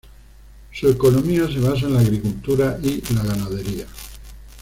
Su economía se basa en la agricultura y la ganadería.